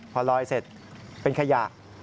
พอลอยเสร็จเป็นขยะ